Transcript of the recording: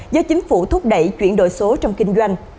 do chính phủ thúc đẩy chuyển đổi số trong kinh doanh